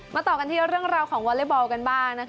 มาต่อกันที่เรื่องราวของวอลเลทบอลกันบ้าง